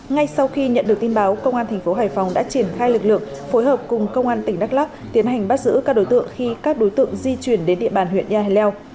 ngay sau khi nhận được tin báo công an tp hải phòng đã triển khai lực lượng phối hợp cùng công an tỉnh đắk lắc tiến hành bắt giữ các đối tượng khi các đối tượng di chuyển đến địa bàn huyện nha leo